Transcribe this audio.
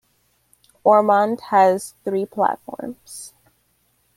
Ormond has three platforms.